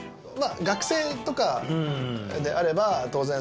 学生とかであれば当然。